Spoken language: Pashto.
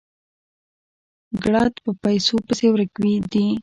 ګړد په پيسو پسې ورک دي